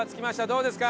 どうですか？